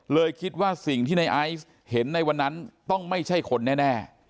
คิดว่าสิ่งที่ในไอซ์เห็นในวันนั้นต้องไม่ใช่คนแน่